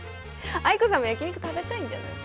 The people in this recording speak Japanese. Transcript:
藍子さんも焼き肉食べたいんじゃない？